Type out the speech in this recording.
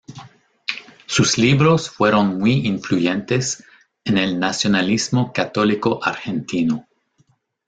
Sus libros fueron muy influyentes en el nacionalismo católico argentino.